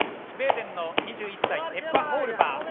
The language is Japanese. スウェーデンの２１歳エッバ・オールファー